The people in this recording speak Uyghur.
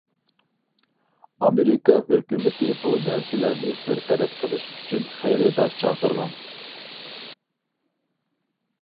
ئامېرىكا ھۆكۈمىتى بۇ نەرسىلەرنى بىر تەرەپ قىلىش ئۈچۈن خېرىدار چاقىرغان.